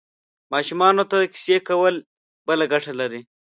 ماشومانو ته کیسې کول بله ګټه لري.